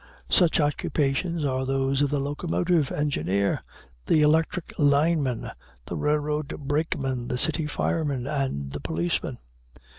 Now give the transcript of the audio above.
Such occupations are those of the locomotive engineer, the electric lineman, the railroad brakeman, the city fireman, and the policeman.